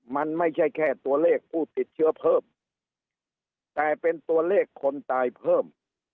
มันไม่ใช่แค่ตัวเลขผู้ติดเชื้อเพิ่มแต่เป็นตัวเลขคนตายเพิ่ม